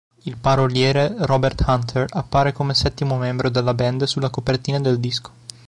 Il paroliere Robert Hunter appare come settimo membro della band sulla copertina del disco.